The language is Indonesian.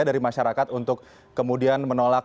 dari masyarakat untuk kemudian menolak